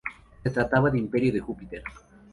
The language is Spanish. Se trataba de Imperio de Júpiter.